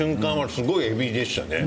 すごい、えびでしたね。